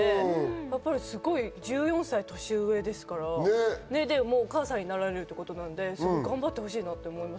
やっぱり、すごい１４歳年上ですから、お母さんになられるということで頑張ってほしいなと思います。